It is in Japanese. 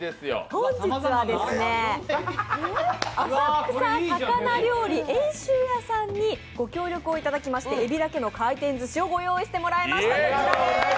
本日は浅草魚料理遠州屋さんにご協力いただきましてエビだけの回転ずしをご用意しました。